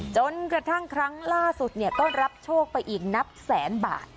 จนกระทั่งครั้งล่าสุดก็รับโชคไปอีกนับแสนบาท